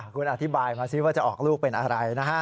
คุณอธิบายมาสิว่าจะออกลูกเป็นอะไรนะฮะ